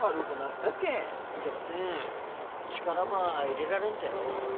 じゃばってん力ば入れられんとやろ。